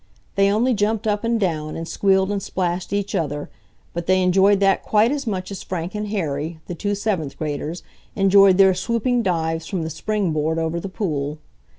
They only jumped up and down and squealed and splashed each other, but they enjoyed that quite as much as Frank and Harry, the two seventh graders, enjoyed their swooping dives from the spring board over the pool.